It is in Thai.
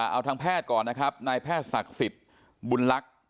เอาทางแพทย์ก่อนนะครับนายแพทย์ศักดิ์สิทธิ์บุญลักษณ์